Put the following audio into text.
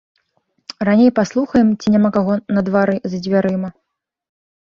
Раней паслухаем, ці няма каго на двары за дзвярыма.